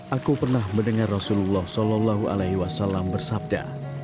aku pernah mendengar rasulullah saw bersabda